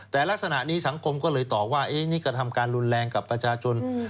แต่ลักษณะนี้สังคมก็เลยตอบว่านี่กระทำการรุนแรงกับประชาชน